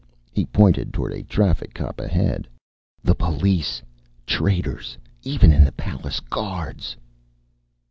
He pointed toward a traffic cop ahead. "The police! Traitors even in the palace guards!"